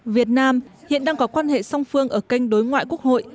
việt nam hiện đang có quan hệ song phương ở kênh đối ngoại quốc hội